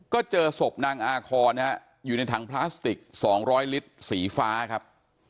ก็เจอศพนางอาคอนอยู่ในถังพลาสติก๒๐๐ลิตรสีฟ้าครับ